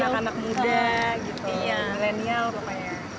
buat anak anak muda gitu lainnya pokoknya